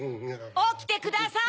おきてください！